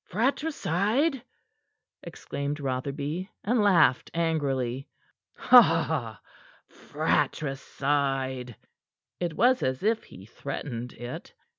"Fratricide!" exclaimed Rotherby, and laughed angrily. "Fratricide!" It was as if he threatened it.